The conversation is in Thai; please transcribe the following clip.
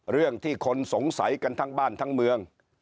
เรื่องที่คนสงสัยกันทั้งบ้านทั้งเมือง